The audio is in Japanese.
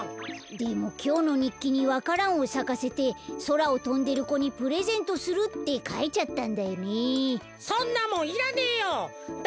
でもきょうのにっきにわか蘭をさかせてそらをとんでる子にプレゼントするってかいちゃったんだよね。